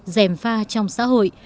dèm pha trong xã hội